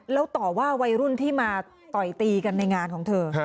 แล้วต่อว่าวัยรุ่นที่มาต่อยตีกันในงานของเธอ